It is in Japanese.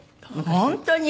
本当に？